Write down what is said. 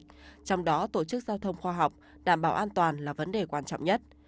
trong đó tổ chức giao thông khoa học đảm bảo an toàn là vấn đề quan trọng nhất